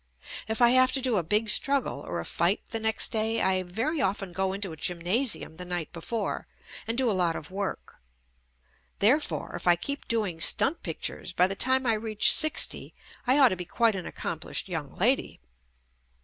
If I have to do a big struggle or a fight the next day, I very often go into a gymnasium the night before and do a lot of work ; therefore, if I keep doing "stunt" pic tures by the time I reach sixty I ought to be quite an accomplished young lady.